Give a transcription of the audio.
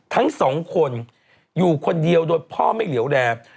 ทั้งสองคนอยู่คนเดียวโดยพ่อไม่เหลวแรม